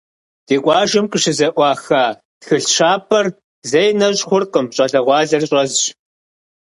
Ди къуажэм къыщызэӏуаха тхылъ щапӏэр зэи нэщӏ хъуркъым, щӏалэгъуалэр щӏэзщ.